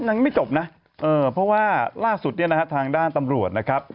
ยังไม่จบนะเพราะว่าล่าสุดเนี่ยนะฮะ